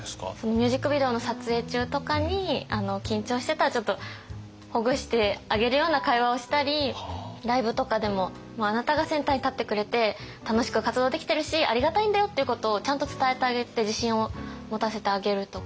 ミュージックビデオの撮影中とかに緊張してたらちょっとほぐしてあげるような会話をしたりライブとかでも「あなたがセンターに立ってくれて楽しく活動できてるしありがたいんだよ」っていうことをちゃんと伝えてあげて自信を持たせてあげるとか。